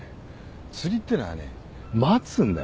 釣りってのはね待つんだよ。